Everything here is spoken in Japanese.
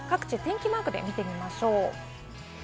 各地をお天気マークで見ていきましょう。